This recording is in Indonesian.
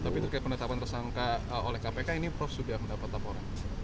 tapi itu kayak penetapan tersangka oleh kpk ini prof sudah mendapat taporan